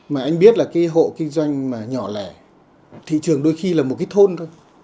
mà anh biết là cái hộ kinh doanh mà nhỏ lẻ thị trường đôi khi là một cái thôn thôi